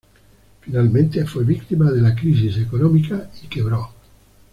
Finalmente, fue víctima de la crisis económica y quebró.